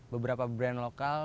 beberapa brand lokal